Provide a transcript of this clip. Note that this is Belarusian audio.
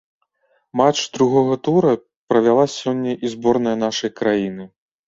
Матч другога тура правяла сёння і зборная нашай краіны.